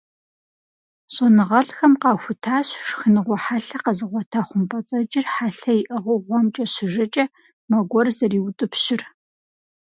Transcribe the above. ЩӀэныгъэлӀхэм къахутащ шхыныгъуэ хьэлъэ къэзыгъуэта хъумпӀэцӀэджыр хьэлъэ иӀыгъыу гъуэмкӀэ щыжэкӀэ, мэ гуэр зэриутӀыпщыр.